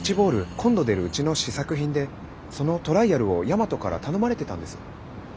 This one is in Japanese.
今度出るうちの試作品でそのトライアルを大和から頼まれてたんです。